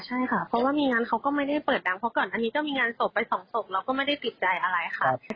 ใช่ค่ะเพราะว่ามีงานเขาก็ไม่ได้เปิดดังเพราะก่อนอันนี้ก็มีงานศพไปสองศพเราก็ไม่ได้ติดใจอะไรค่ะ